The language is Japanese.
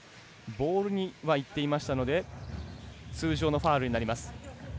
ボールにはいっていたので通常のファウルになります。